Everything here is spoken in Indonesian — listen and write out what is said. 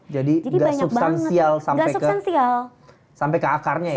jadi gak substansial sampai ke akarnya ya